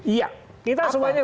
iya kita semuanya